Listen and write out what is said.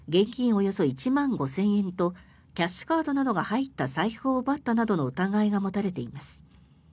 およそ１万５０００円とキャッシュカードなどが入った財布を奪ったなどの疑いが持たれています。